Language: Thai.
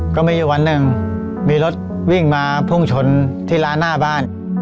ก็มีอยู่วันหนึ่งมีรถวิ่งมาพุ่งชนที่ร้านหน้าบ้าน